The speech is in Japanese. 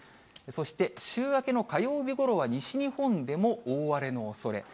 そして、週明けの火曜日ごろは西日本でも大荒れのおそれ。